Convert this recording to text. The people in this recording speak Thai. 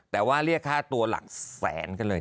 แต่ว่าเรียกค่าตัวหลักแสนกันเลย